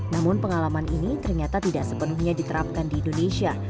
namun pengalaman ini ternyata tidak sepenuhnya diterapkan di indonesia